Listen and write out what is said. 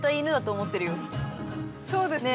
そうですね。